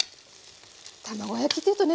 卵焼きっていうとね